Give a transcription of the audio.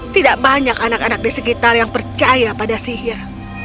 tidak banyak anak anak di sekitar yang percaya pada sihir